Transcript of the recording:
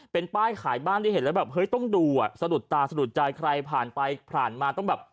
เป็นป้ายขายบ้านที่เห็นแล้วต้องดูสะดุดตาสะดุดใจใครผ่านไปผ่านมา